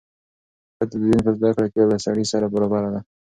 ښځه د دین په زده کړه کې له سړي سره برابره ده.